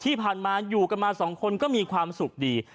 ที่ผ่านมาอยู่กันมาสองคนก็มีความสุขดี